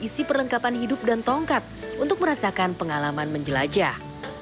isi perlengkapan hidup dan tongkat untuk merasakan pengalaman menjelajah